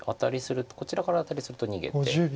こちらからアタリすると逃げて。